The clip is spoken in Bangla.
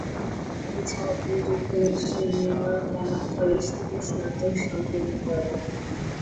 এছাড়া তিনি যুক্তরাষ্ট্রের নেভাল কমান্ড কলেজ থেকে স্নাতক সম্পন্ন করেন।